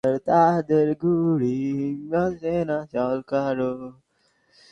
আগেই জানা গেছে, শুক্রবার বেলা পৌনে একটায় ঢাকা থেকে একটি হেলিকপ্টার আসবে।